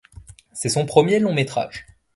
C'est son premier long-métrage.